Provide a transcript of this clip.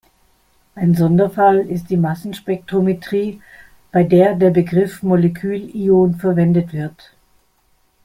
Ein Sonderfall ist die Massenspektrometrie, bei der der Begriff "Molekül-Ion" verwendet wird.